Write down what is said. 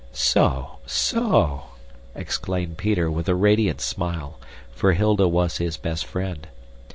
"So! so!" exclaimed Peter with a radiant smile, for Hilda was his best friend.